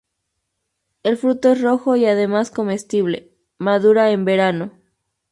El fruto es rojo y además comestible; madura en verano.